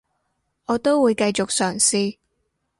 我都會繼續嘗試